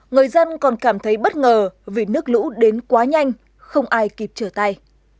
người dân còn cảm thấy bất ngờ vì nước lũ đến quá nhanh không ai kịp trở tay